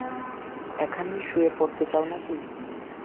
এখানেই শুয়ে পড়তে চাও নাকি?